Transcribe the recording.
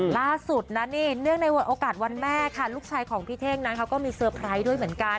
ล่าสุดนะนี่เนื่องในโอกาสวันแม่ค่ะลูกชายของพี่เท่งนั้นเขาก็มีเตอร์ไพรส์ด้วยเหมือนกัน